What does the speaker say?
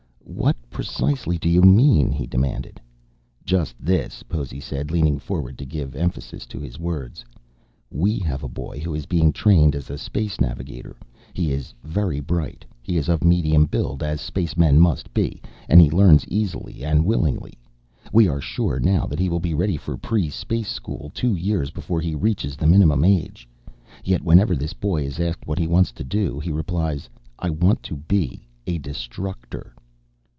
"What, precisely, do you mean?" he demanded. "Just this," Possy said, leaning forward to give emphasis to his words. "We have a boy who is being trained as a space navigator. He is very bright. He is of medium build, as a spaceman must be, and he learns easily and willingly. We are sure now that he will be ready for pre space school two years before he reaches the minimum age. Yet, whenever this boy is asked what he wants to do, he replies, 'I want to be a Destructor.'"